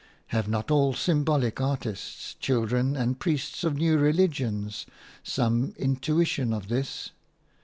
Have not all symbolic artists, children, and priests of new religions some intuition of this?